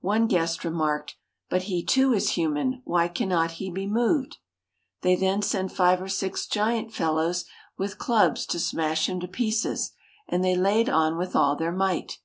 One guest remarked, "But he, too, is human; why cannot he be moved?" They then sent five or six giant fellows with clubs to smash him to pieces, and they laid on with all their might.